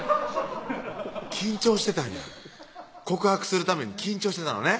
緊張してたんや告白するために緊張してたのね